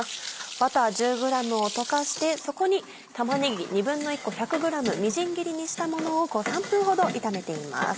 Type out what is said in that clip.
バター１０ｇを溶かしてそこに玉ねぎ１／２個１００ｇみじん切りにしたものを３分ほど炒めています。